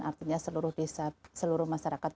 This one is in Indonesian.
artinya seluruh desa seluruh masyarakat